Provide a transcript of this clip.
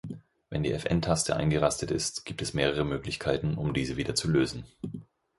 Wenn die Fn-Taste eingerastet ist, gibt es mehrere Möglichkeiten, um diese wieder zu lösen.